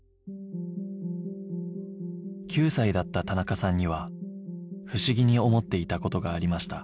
９歳だった田中さんには不思議に思っていた事がありました